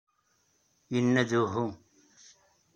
Yenna-d uhu.